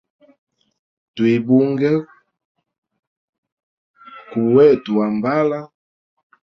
Twibunge kuu wetu wambala.